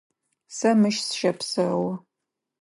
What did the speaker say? Сэ мыщ сыщэпсэу.